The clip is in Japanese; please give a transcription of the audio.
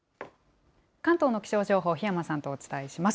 関東の気象情報、檜山さんとお伝えします。